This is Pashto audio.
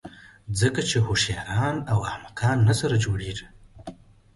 ځکه چې هوښیاران او احمقان نه سره جوړېږي.